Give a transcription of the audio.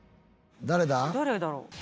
誰だろう？